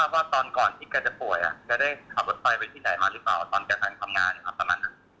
จะได้ขับรถไฟไปที่ไหนมาหรือเปล่าตอนแกติดคำงานประมาณนั้น